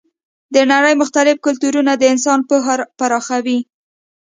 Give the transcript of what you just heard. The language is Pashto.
د نړۍ مختلف کلتورونه د انسان پوهه پراخوي.